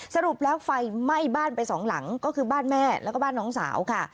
สรุปแล้วไฟไหม้บ้านไปสองหลังก็คือบ้านแม่แล้วก็บ้านน้องสาวค่ะ